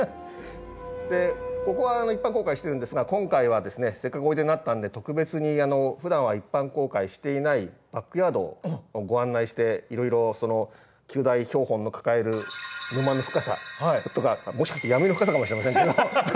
でここは一般公開してるんですが今回はせっかくおいでになったんで特別にふだんは一般公開していないバックヤードをご案内していろいろ九大標本の抱える沼の深さとかもしかしたら闇の深さかもしれませんけど。